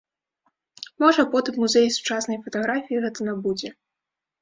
Можа, потым музей сучаснай фатаграфіі гэта набудзе.